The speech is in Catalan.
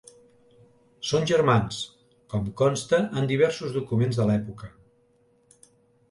Són germans, com consta en diversos documents de l'època.